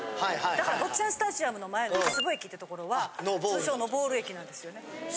だから坊ちゃんスタジアムの前の市坪駅って所は通称「の・ボール」駅なんですよね。